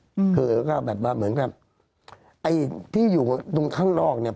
อืมคือก็แบบว่าเหมือนกับไอ้ที่อยู่ตรงข้างนอกเนี้ย